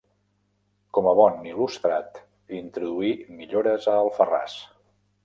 Com a bon il·lustrat, introduí millores a Alfarràs.